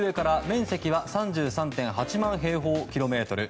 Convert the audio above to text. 面積は３３．８万平方キロメートル。